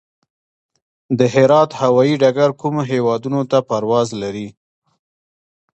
د هرات هوايي ډګر کومو هیوادونو ته پرواز لري؟